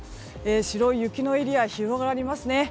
白い雪のエリア広がりますね。